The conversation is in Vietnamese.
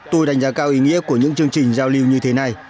tôi đánh giá cao ý nghĩa của những chương trình giao lưu như thế này